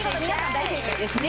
大正解ですね。